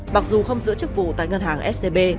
mặc dù không giữ chức vụ tại ngân hàng scb